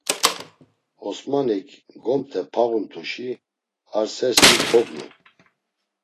Osmanik gomte pağumt̆uşi ar sersi kognu.